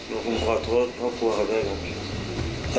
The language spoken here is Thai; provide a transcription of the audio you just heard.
ผมขอโทษครับครับผม